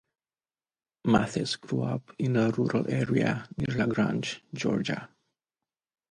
Mathis grew up in a rural area near LaGrange, Georgia.